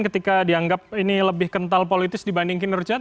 ketika dianggap ini lebih kental politis dibandingkin rujat